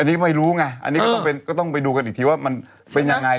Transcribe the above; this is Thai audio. อันนี้ไม่รู้ไงอันนี้ก็ต้องไปดูกันอีกทีว่ามันเป็นยังไง